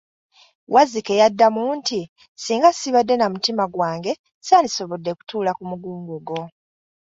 Wazzike yaddamu nti, singa sibadde na mutima gwange ssandisobodde kutuula ku mugongo gwo.